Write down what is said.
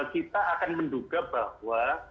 kita akan menduga bahwa